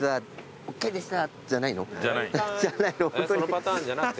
そのパターンじゃなくて？